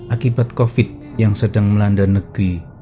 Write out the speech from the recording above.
akibat covid yang sedang melanda negeri